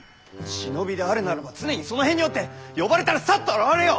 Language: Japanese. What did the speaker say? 忍びであるならば常にその辺におって呼ばれたらさっと現れよ！